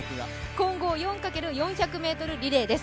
混合４×４００ｍリレーです。